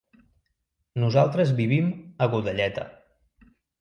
Nosaltres vivim a Godelleta.